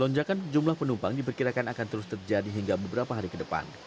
lonjakan jumlah penumpang diperkirakan akan terus terjadi hingga beberapa hari ke depan